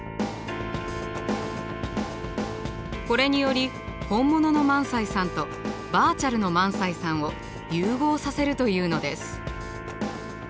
これにより本物の萬斎さんとバーチャルの萬斎さんを融合させるというのです。